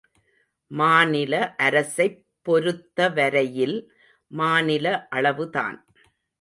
மாநில அரசைப் பொருத்தவரையில் மாநில அளவுதான்.